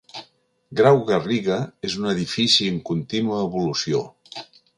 Grau Garriga és un edifici en contínua evolució.